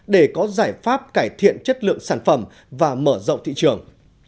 để có giải pháp cải thiện chất lượng sản phẩm và mở rộng thị trường